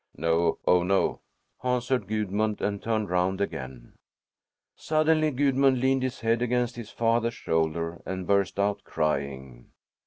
"No, oh, no!" answered Gudmund and turned round again. Suddenly Gudmund leaned his head against his father's shoulder and burst out crying.